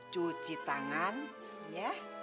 cuci tangan ya